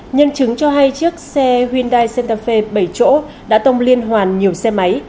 nhân chứng cho hay chiếc xe hyundai santa fe bảy chỗ đã tông liên hoàn nhiều xe máy